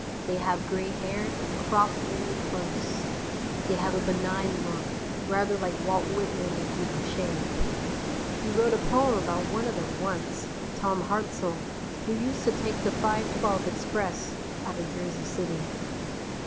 They have gray hair, cropped very close. They have a benign look, rather like Walt Whitman if he were shaved. We wrote a poem about one of them once, Tom Hartzell, who used to take the 5:12 express out of Jersey City.